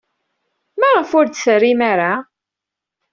Maɣef ur d-terrim ara?